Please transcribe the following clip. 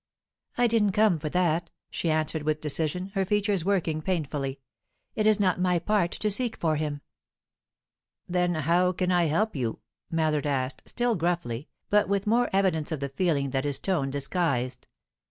"I didn't come for that," she answered, with decision, her features working painfully. "It is not my part to seek for him." "Then how can I help you?" Mallard asked, still gruffly, but with more evidence of the feeling that his tone disguised.